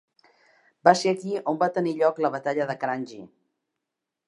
Va ser aquí on va tenir lloc la Batalla de Kranji.